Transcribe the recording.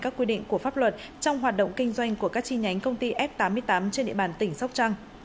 các quy định của pháp luật trong hoạt động kinh doanh của các chi nhánh công ty f tám mươi tám trên địa bàn tỉnh sóc trăng